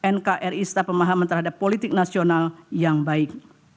nkri serta pemahaman terhadap politik nasional yang baik